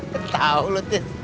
kau tau loh tis